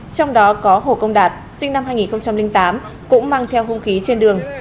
trong đó có hồ công đạt sinh năm hai nghìn tám cũng mang theo hung khí trên đường